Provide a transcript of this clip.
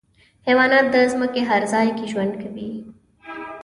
حیوانات د ځمکې هر ځای کې ژوند کوي.